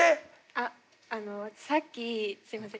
ああのさっきすいません